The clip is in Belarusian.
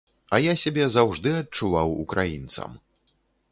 А я сябе заўжды адчуваў украінцам.